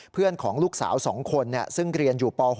เพื่อนของลูกสาว๒คนซึ่งเรียนอยู่ป๖